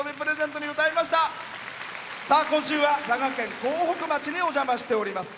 今週は佐賀県江北町にお邪魔しております。